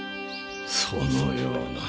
そのような。